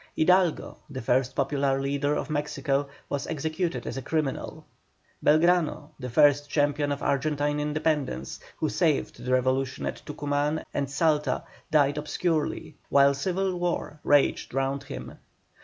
Hidalgo, the first popular leader of Mexico, was executed as a criminal. Belgrano, the first champion of Argentine independence, who saved the revolution at Tucuman and Salta, died obscurely, while civil war raged round him.